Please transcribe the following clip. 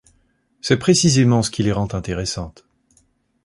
C'est précisément ce qui les rend intéressantes.